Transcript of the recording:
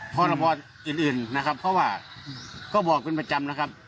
พรบอื่นนะครับเพราะว่าก็บอกเป็นประจำนะครับ